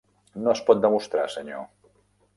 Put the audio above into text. No es pot demostrar, senyor.